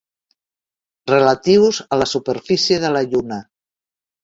Relatius a la superfície de la lluna.